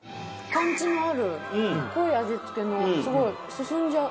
パンチのある濃い味付けのすごい進んじゃう。